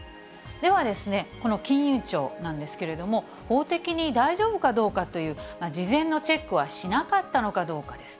では、この金融庁なんですけれども、法的に大丈夫かどうかという事前のチェックはしなかったのかどうかです。